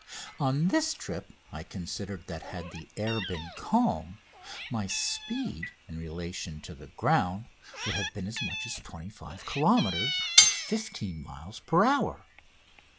On this trip I considered that had the air been calm my speed in relation to the ground would have been as much as 25 kilometres (15 miles) per hour.